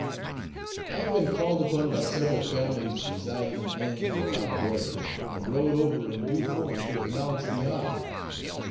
I have been called upon by several families residing in and about Darien, and rowed over in due form to acknowledge the honour.